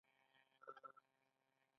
ګرمي څه اوبه غواړي؟